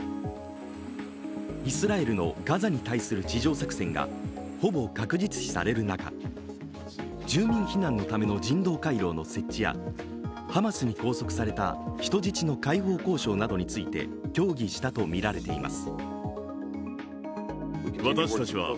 イスラエルのガザに対する地上作戦がほぼ確実視される中、住民避難のための人道回廊の設置やハマスに拘束された人質の解放交渉などについて、協議したとみられています。